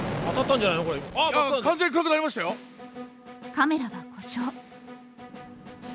カメラは故障。